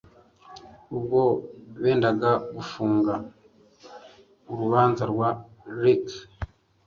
Ubwo bendaga gufunga urubanza rwa Ricky